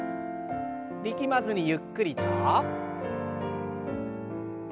力まずにゆっくりと。